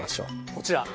こちら。